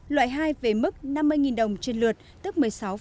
loại hai về mức năm mươi đồng trên lượt tức một mươi sáu